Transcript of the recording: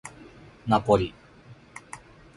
ナポリ